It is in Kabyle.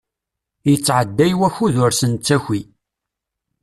Yettɛedday wakud ur s-nettaki.